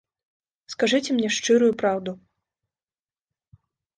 Скажыце мне шчырую праўду.